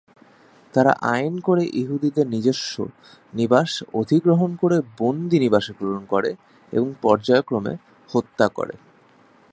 তারা আইন করে ইহুদিদের নিজস্ব নিবাস অধিগ্রহণ করে বন্দী-নিবাসে প্রেরণ করে এবং পর্যায়ক্রমে হত্যা করে।